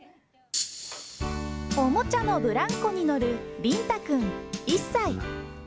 おもちゃのブランコに乗るりんたくん１歳。